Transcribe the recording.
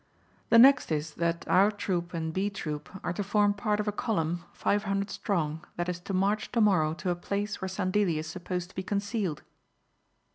"The next is that our troop and B troop are to form part of a column, five hundred strong, that is to march to morrow to a place where Sandilli is supposed to be concealed."